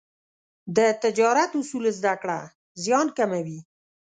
د تجارت اصول زده کړه، زیان کموي.